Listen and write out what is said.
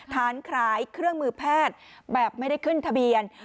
ขายเครื่องมือแพทย์แบบไม่ได้ขึ้นทะเบียน